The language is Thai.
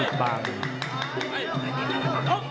ส่วนคู่ต่อไปของกาวสีมือเจ้าระเข้ยวนะครับขอบคุณด้วย